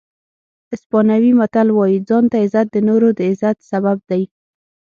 اسپانوي متل وایي ځان ته عزت د نورو د عزت سبب دی.